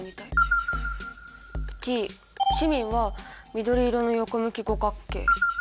Ｔチミンは緑色の横向き五角形。